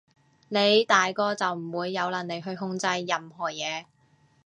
你大個就唔會有能力去控制任何嘢